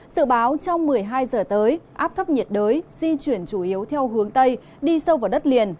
sự báo trong một mươi hai giờ tới áp thấp nhiệt đới di chuyển chủ yếu theo hướng tây đi sâu vào đất liền